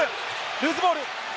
ルーズボール。